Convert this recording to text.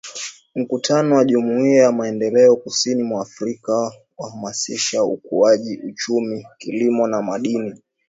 Mkutano wa Jumuiya ya Maendeleo Kusini mwa Afrika wahamasisha ukuaji uchumi kilimo na madini